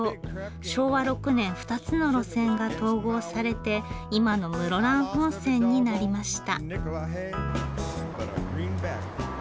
昭和６年２つの路線が統合されて今の室蘭本線になりました。